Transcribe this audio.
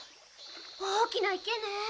大きな池ね。